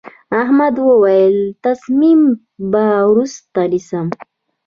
احمد وويل: تصمیم به وروسته نیسم.